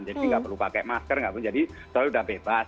jadi tidak perlu pakai masker jadi sudah bebas